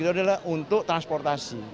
itu adalah untuk transportasi